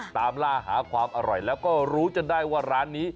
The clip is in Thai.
ตามล่าหาความอร่อยแล้วก็รู้จนได้ว่าร้านนี้